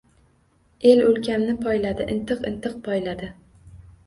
El ko‘klamni poyladi. Intiq-intiq poyladi.